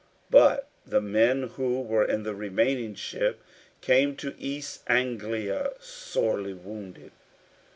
But the men who were in the remaining ship came to East Anglia, sorely wounded.